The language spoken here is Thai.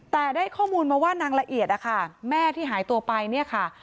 แต่ได้ข้อมูลมาว่านางละเอียดนะคะแม่ที่หายตัวไปเนี่ยค่ะ